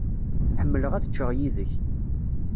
Ḥemmleɣ ad cceɣ yid-k.